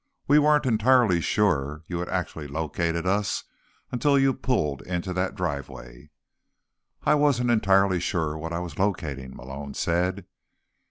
We weren't entirely sure you had actually located us until you pulled into that driveway." "I wasn't entirely sure what I was locating," Malone said.